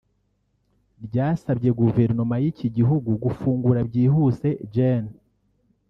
ryasabye guverinoma y’iki gihugu gufungura byihuse Gen